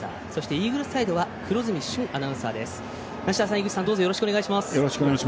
イーグルスサイドは黒住駿アナウンサーです。